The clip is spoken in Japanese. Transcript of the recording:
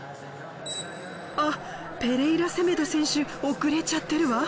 あっペレイラセメド選手遅れちゃってるわ。